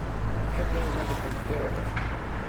I hope they may never come to hear of it.